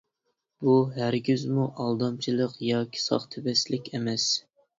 بۇ ھەرگىزمۇ ئالدامچىلىق ياكى ساختىپەزلىك ئەمەس.